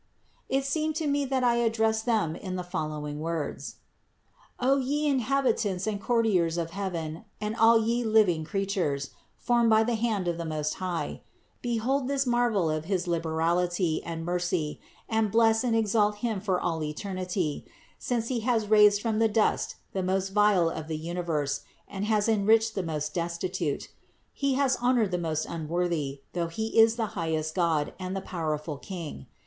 It seemed to me that I addressed them in the following words : "O ye inhabitants and courtiers of heaven and all ye living creatures, formed by the hand of the Most High, behold this marvel of his liberality and mercy and bless and exalt Him for all eternity, since He has raised from the dust the most vile of the universe and has enriched the most destitute; He has honored the most unworthy, though He is the highest God and the powerful King.